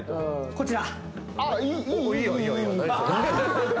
こちら。